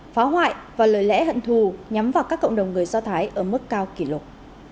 phá hoại và lời lẽ hận thù nhắm vào các cộng đồng người do thái ở mức cao kỷ lục